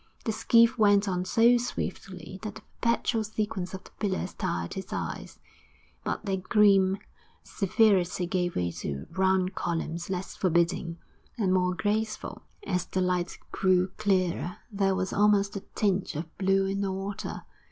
The skiff went on so swiftly that the perpetual sequence of the pillars tired his eyes; but their grim severity gave way to round columns less forbidding and more graceful; as the light grew clearer, there was almost a tinge of blue in the water.